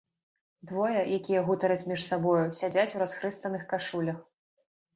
Двое, якія гутараць між сабою, сядзяць у расхрыстаных кашулях.